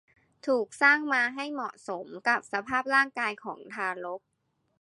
ถูกสร้างมาให้เหมาะสมกับสภาพร่างกายของทารก